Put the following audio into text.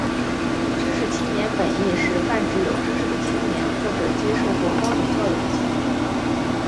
知识青年本义是泛指有知识的青年或者接受过高等教育的青年。